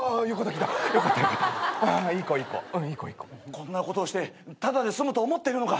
こんなことをしてただで済むと思ってるのか？